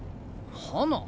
花。